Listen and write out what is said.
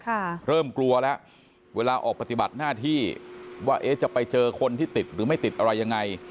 เริ่มกลัวแล้วเวลาออกปฏิบัติหน้าที่ว่าเอ๊ะจะไปเจอคนที่ติดหรือไม่ติดอะไรยังไง